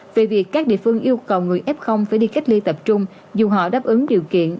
về việc các địa phương yêu cầu người f phải đi cách ly tập trung dù họ đáp ứng điều kiện